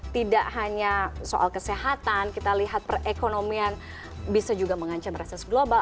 tidak hanya soal kesehatan kita lihat perekonomian bisa juga mengancam reses global